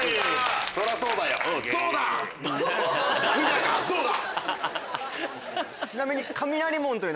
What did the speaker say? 見たかどうだ！